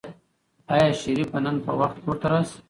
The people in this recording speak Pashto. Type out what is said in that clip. آیا شریف به نن په وخت کور ته راشي؟